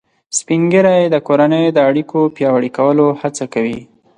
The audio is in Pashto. سپین ږیری د کورنۍ د اړیکو پیاوړي کولو هڅه کوي